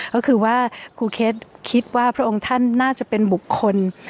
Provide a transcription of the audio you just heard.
ก็คือว่าครูเคสคิดว่าพระองค์ท่านน่าจะเป็นบุคคล